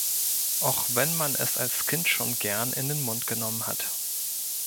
Auch wenn man es als Kind schon gern in den Mund genommen hat.